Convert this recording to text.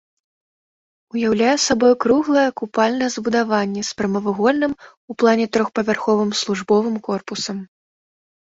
Уяўляе сабой круглае купальнае збудаванне з прамавугольным у плане трохпавярховым службовым корпусам.